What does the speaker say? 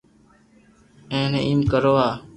اينو ايم ڪروا